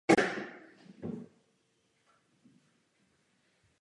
Říkat cokoliv jiného by znamenalo naprostou imobilizaci Evropské unie.